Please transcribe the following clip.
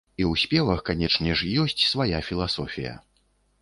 І ў спевах, канечне ж, ёсць свая філасофія.